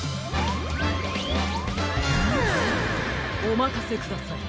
おまかせください